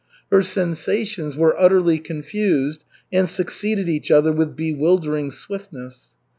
Her sensations were utterly confused and succeeded each other with bewildering swiftness.